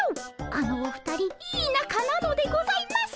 あのお二人いいなかなのでございます。